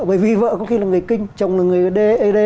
bởi vì vợ có khi là người kinh chồng là người ad